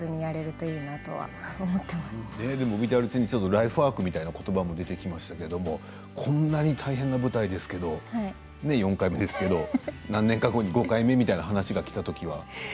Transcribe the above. ライフワークみたいなことばも出てきましたけどこんなに大変な舞台ですけれど４回目ですが何年か後に５回目の話がきたときは。